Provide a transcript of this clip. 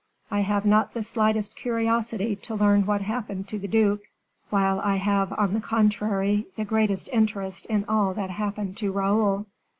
I have not the slightest curiosity to learn what happened to the duke, while I have, on the contrary, the greatest interest in all that happened to Raoul."